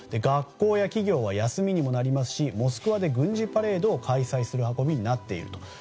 学校や企業は休みにもなりますしモスクワで軍事パレードを開催する運びになっていると。